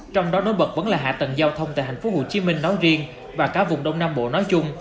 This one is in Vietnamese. trong đó nối bật vẫn là hạ tầng giao thông tại thành phố hồ chí minh nói riêng và cả vùng đông nam bộ nói chung